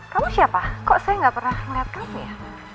kamu siapa kok saya nggak pernah ngeliat kamu ya